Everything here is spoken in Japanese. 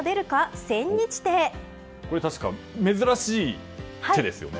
確か、珍しい手ですよね。